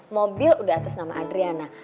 mobil udah atas nama adriana